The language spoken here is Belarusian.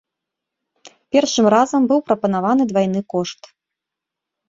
Першым разам быў прапанаваны двайны кошт.